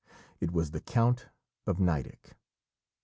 It was the Count of Nideck!